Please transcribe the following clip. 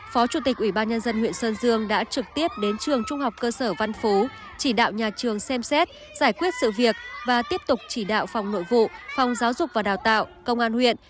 phó chủ tịch ủy ban nhân dân huyện sơn dương đã trực tiếp đến trường trung học cơ sở văn phú chỉ đạo nhà trường xem xét giải quyết sự việc và tiếp tục chỉ đạo phòng nội vụ phòng giáo dục và đào tạo công an huyện